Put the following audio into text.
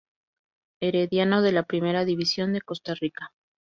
Herediano, de la Primera División de Costa Rica.